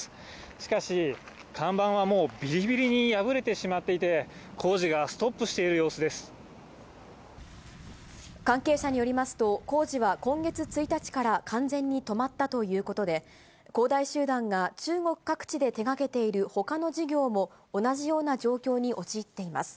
しかし、看板はもうびりびりに破れてしまっていて、関係者によりますと、工事は今月１日から完全に止まったということで、恒大集団が中国各地で手がけているほかの事業も同じような状況に陥っています。